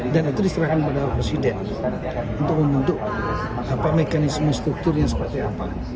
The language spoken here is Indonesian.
dan itu diserahkan kepada presiden untuk membentuk mekanisme struktur yang seperti apa